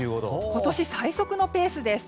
今年最速のペースです。